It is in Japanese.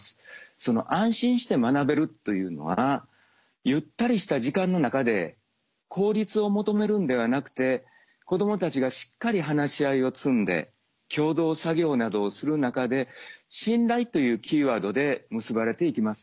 その「安心して学べる」というのはゆったりした時間の中で効率を求めるんではなくて子どもたちがしっかり話し合いを積んで共同作業などをする中で「信頼」というキーワードで結ばれていきます。